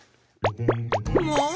もう！